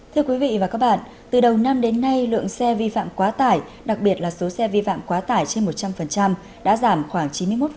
thưa quý vị và các bạn từ đầu năm đến nay lượng xe vi phạm quá tải đặc biệt là số xe vi phạm quá tải trên một trăm linh đã giảm khoảng chín mươi một